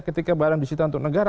ketika barang disita untuk negara